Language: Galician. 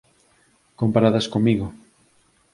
comparadas comigo.